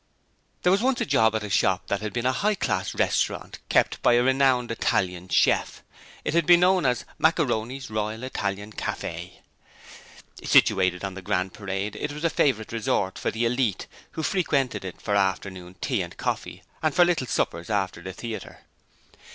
There was once a job at a shop that had been a high class restaurant kept by a renowned Italian chef. It had been known as 'MACARONI'S ROYAL ITALIAN CAFE' Situated on the Grand Parade, it was a favourite resort of the 'Elite', who frequented it for afternoon tea and coffee and for little suppers after the theatre.